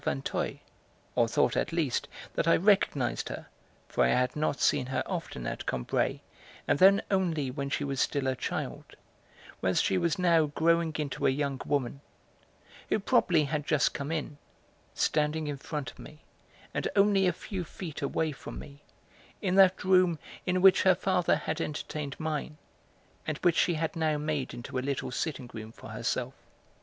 Vinteuil (or thought, at least, that I recognised her, for I had not seen her often at Combray, and then only when she was still a child, whereas she was now growing into a young woman), who probably had just come in, standing in front of me, and only a few feet away from me, in that room in which her father had entertained mine, and which she had now made into a little sitting room for herself.